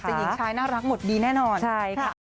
แต่หญิงชายน่ารักหมดดีแน่นอนใช่ค่ะ